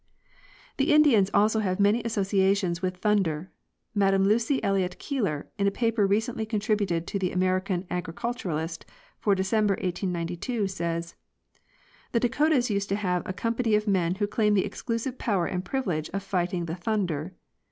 The Indians also have many associations with thunder. Madam Lucy Elliot Keeler, in a paper recently contributed to the "American Agriculturist " for December, 1892, says: The Dakotas used to have a company of men who claimed the exclusive power and privilege of fighting the thunder.